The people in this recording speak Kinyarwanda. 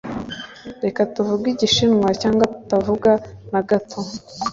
Reka tuvuge Igishinwa, cyangwa tutavuga na gato.